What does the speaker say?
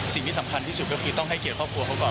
สิ่งที่สำคัญที่สุดก็คือต้องให้เกียรติครอบครัวเขาก่อน